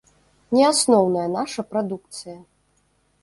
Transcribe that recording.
Не асноўная наша прадукцыя.